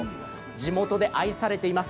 地元で愛されています